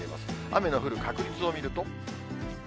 雨の降る確率を見ると。